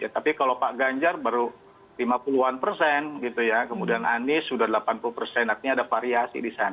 tapi kalau pak ganjar baru lima puluh an persen gitu ya kemudian anies sudah delapan puluh persen artinya ada variasi di sana